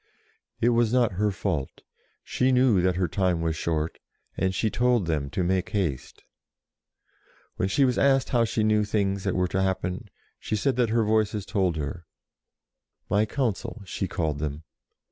It was not her fault. She knew that her time was short, and she told them to make haste. When she was asked how she knew things that were to happen, she said that DEFEATS THE ENGLISH 63 her Voices told her, "my Council," she called them.